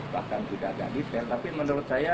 bahkan tidak ada detail tapi menurut saya